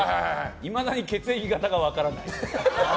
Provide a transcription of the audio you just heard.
いまだに血液型が分からない。